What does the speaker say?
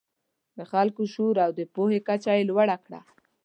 د خلکو شعور او د پوهې کچه یې لوړه کړه.